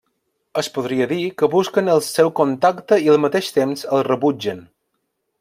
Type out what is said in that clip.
Es podria dir que busquen el seu contacte i al mateix temps el rebutgen.